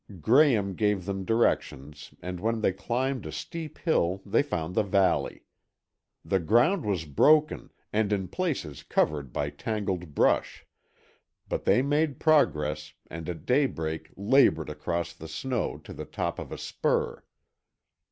Graham gave them directions and when they climbed a steep hill they found the valley. The ground was broken and in places covered by tangled brush, but they made progress and at daybreak labored across the snow to the top of a spur.